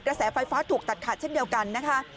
แสไฟฟ้าถูกตัดขาดเช่นเดียวกันนะคะ